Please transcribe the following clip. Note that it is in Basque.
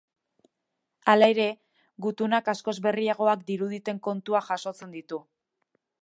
Hala ere, gutunak askoz berriagoak diruditen kontuak jasotzen ditu.